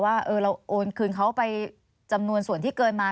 ว่าเราโอนคืนเขาไปจำนวนส่วนที่เกินมา